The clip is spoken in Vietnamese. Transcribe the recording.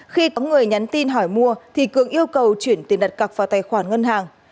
khi có người nhắn tin hỏi mua thì cường yêu cầu chuyển tiền đặt cọc vào tài khoản ngân hàng